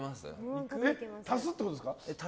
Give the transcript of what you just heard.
足すってことですか？